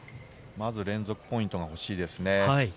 まず連続ポイントが欲しいですね。